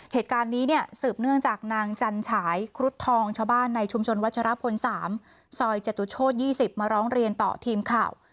เหตุการณ์นี้เนี่ยสืบเนื่องจากนางจันฉายครุฑทองชาวบ้านในชุมชนวัชรพล๓ซอยจตุโชธ๒๐มาร้องเรียนต่อทีมข่าว